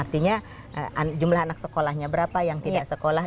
artinya jumlah anak sekolahnya berapa yang tidak sekolah